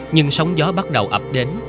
nhưng sóng gió bắt đầu ập đến